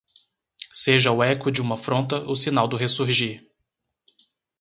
Seja o eco de uma afronta o sinal do ressurgir